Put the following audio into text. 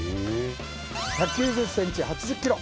１９０センチ８０キロ